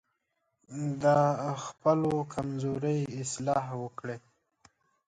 د خپلو کمزورۍ اصلاح وکړئ.